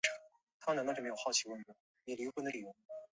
洒尔佛散的作用靶标是梅毒螺旋体。